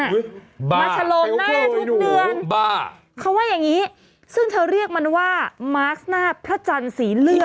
มาฉลองหน้าทุกเดือนบ้าเขาว่าอย่างงี้ซึ่งเธอเรียกมันว่ามาร์คหน้าพระจันทร์สีเลือด